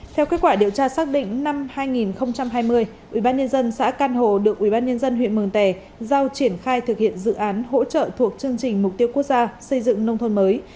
theo kết quả điều tra xác định năm hai nghìn hai mươi ubnd xã can hồ được ubnd huyện mường tè giao triển khai thực hiện dự án hỗ trợ thuộc chương trình mục tiêu quốc gia xây dựng nông thôn mới